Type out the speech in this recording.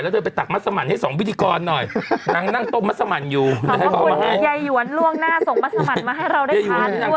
แล้วเธอไปตักมัสมันให้สองพิธีกรหน่อยนางนั่งต้มมัสมันอยู่ขอบคุณ